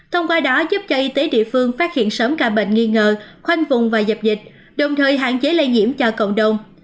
thông qua đó giúp cho y tế địa phương phát hiện sớm ca bệnh nghi ngờ khoanh vùng và dập dịch đồng thời hạn chế lây nhiễm cho cộng đồng